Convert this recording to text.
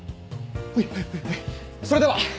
それでは！